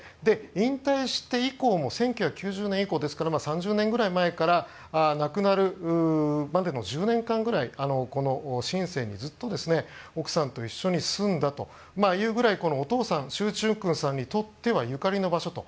引退して以降も１９９０年以降ですから３０年ぐらい前から亡くなるまでの１０年間ぐらいこのシンセンにずっと奥さんと一緒に住んだというぐらいお父さんシュウ・チュウクンさんにとってはゆかりの場所と。